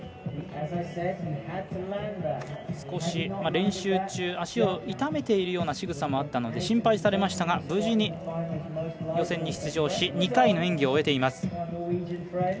少し、練習中足を痛めているようなしぐさもあったので心配されましたが無事に予選に出場し２回の演技を終えています。